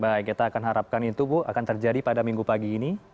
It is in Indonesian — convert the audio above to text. baik kita akan harapkan itu bu akan terjadi pada minggu pagi ini